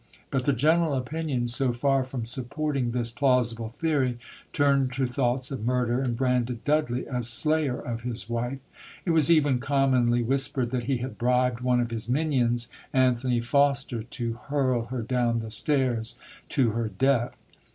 But the general opinion, so far from supporting this plausible theory, turned to thoughts of murder, and branded Dudley as slayer of his wife. It was even commonly whispered that he had bribed one of his minions, Anthony Foster, to hurl her down the stairs to her death.